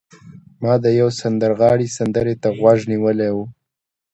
ما د یو سندرغاړي سندرې ته غوږ نیولی و